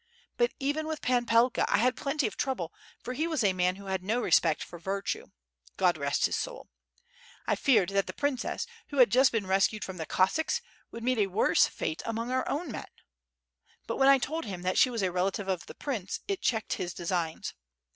But even with Pan Pelka, I had plenty of trouble, for he was a man who had no respect for virtue God rest his soul! I feared that the princess, who had just been rescued from 8o6 WITH FIRE AND SWORD. the Cossacks, would meet a worse fate among our own men. ... But when I told him that she was a relative of the Prince, it checked his designs.